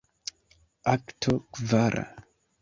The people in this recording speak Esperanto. Akto kvara.